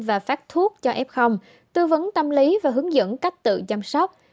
và phát thuốc cho f tư vấn tâm lý và hướng dẫn cách tự chăm sóc